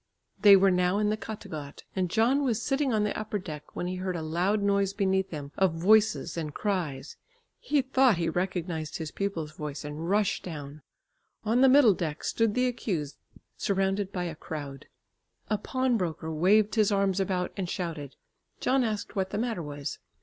They were now in the Kattegat, and John was sitting on the upper deck when he heard a loud noise beneath him of voices and cries. He thought he recognised his pupil's voice, and rushed down. On the middle deck stood the accused surrounded by a crowd. A pawnbroker waved his arms about and shouted. John asked what the matter was.